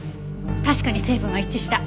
確かに成分は一致した。